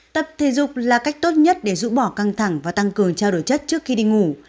tập thể dục là cách tốt nhất để giữ bỏ căng thẳng và tăng cường trao đổi chất trước khi đi ngủ